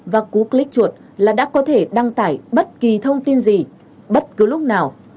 và cú click chuột là đã có thể đăng tải bất kỳ thông tin gì bất cứ lúc nào